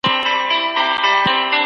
فقر یوازې د طبیعت غوښتنه نه ده.